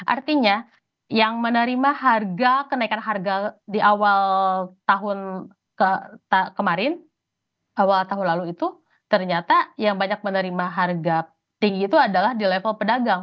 artinya yang menerima kenaikan harga di awal tahun kemarin awal tahun lalu itu ternyata yang banyak menerima harga tinggi itu adalah di level pedagang